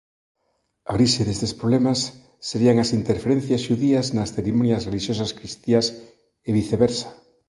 A orixe destes problemas serían as interferencias xudías nas cerimonias relixiosas cristiás e viceversa.